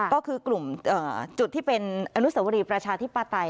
ก็คือกลุ่มจุดที่เป็นอนุสวรีประชาธิปไตย